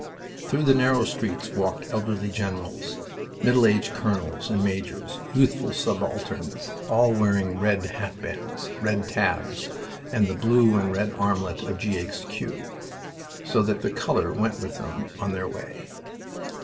Through the narrow streets walked elderly generals, middle aged colonels and majors, youthful subalterns all wearing red hat bands, red tabs, and the blue and red armlet of G. H. Q., so that color went with them on their way.